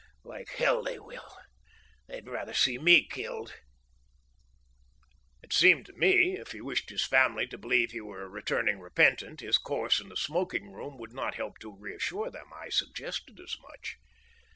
"Like hell they will! They'd rather see me killed." It seemed to me, if he wished his family to believe he were returning repentant, his course in the smoking room would not help to reassure them. I suggested as much.